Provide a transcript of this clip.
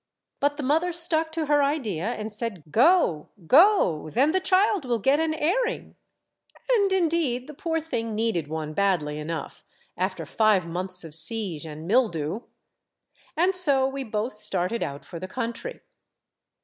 But the mother stuck to her idea, and said ' Go, go ! then the child will get an airing.' " And indeed the poor thing needed one badly enoue^h, after five months of siege and mildew! Belisaires Prussian. 8i And so we both started out for the country.